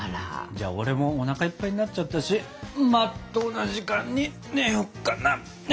じゃあ俺もおなかいっぱいになっちゃったしまっとうな時間に寝よっかな。